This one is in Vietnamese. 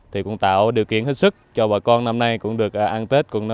thì cũng tạo điều kiện hết sức cho bà con năm nay cũng được ăn tết